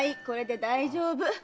これで大丈夫。